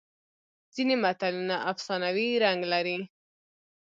ځینې متلونه افسانوي رنګ لري